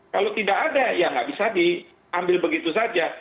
kalau tidak ada ya nggak bisa diambil begitu saja